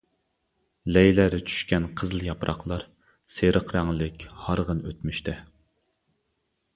لەيلەر چۈشكەن قىزىل ياپراقلار، سېرىق رەڭلىك ھارغىن ئۆتمۈشتە.